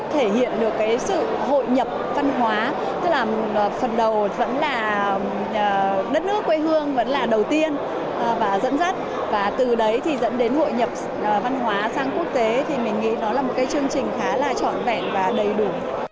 thì mình nghĩ nó là một chương trình khá là trọn vẹn và đầy đủ